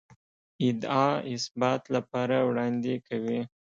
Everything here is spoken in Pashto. ادعا اثبات لپاره وړاندې کوي.